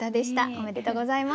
おめでとうございます。